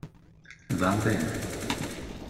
Va ben.